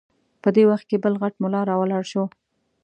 په دې وخت کې بل غټ ملا راولاړ شو.